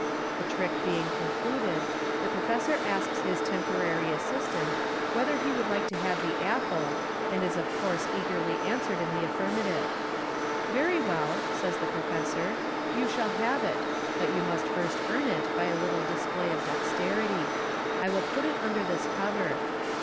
The trick being con cluded, the professor asks his temporary assistant whether he wouk* 358 MODERN MA GIC. like to have the apple, and is of course eagerly answered in the affirmative. " Very well," says the professor, " you shall have it j but you must first earn it by a little display of dexterity. I will put it under this cover."